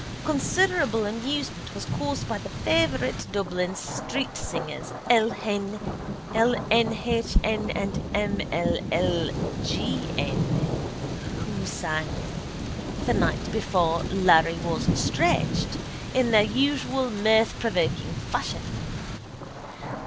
Considerable amusement was caused by the favourite Dublin streetsingers L n h n and M ll g n who sang The Night before Larry was stretched in their usual mirth provoking fashion.